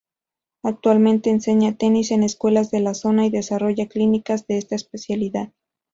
Actualmente enseña tenis en escuelas de la zona y desarrolla clínicas de esa especialidad.